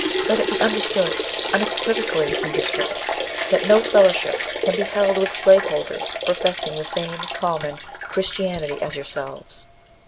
Let it be understood, unequivocally understood, that no fellowship can be held with slaveholders professing the same common Christianity as yourselves.